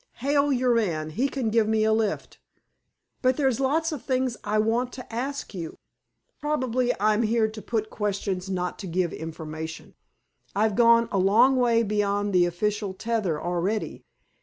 "Hail your man. He can give me a lift." "But there's lots of things I want to ask you—" "Probably. I'm here to put questions, not to give information. I've gone a long way beyond the official tether already.